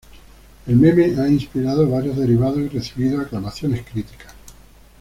El meme ha inspirado varios derivados y recibido aclamaciones críticas.